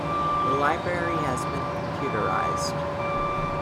The library has been computerized.